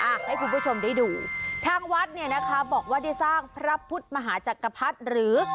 ให้คุณผู้ชมได้ดูทางวัดเนี่ยนะคะบอกว่าได้สร้างพระพุทธมหาจักรพรรดิหรือ